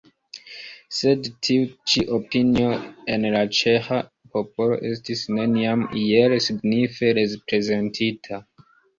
Sed tiu ĉi opinio en la ĉeĥa popolo estis neniam iel signife reprezentita.